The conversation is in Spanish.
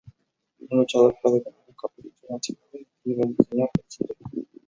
Un luchador puede ganar un campeonato sancionado y rediseñar el cinturón.